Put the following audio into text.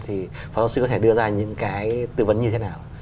thì phó giáo sư có thể đưa ra những cái tư vấn như thế nào